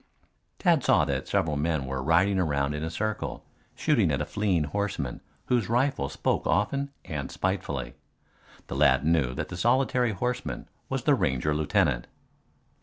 Tad saw that several men were riding around in a circle shooting at a fleeing horseman whose rifle spoke often and spitefully. The lad knew that the solitary horseman was the Ranger lieutenant.